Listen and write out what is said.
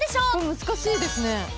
難しいですね。